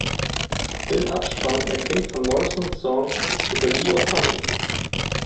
Im Abspann erklingt Van Morrisons Song "Tupelo Honey".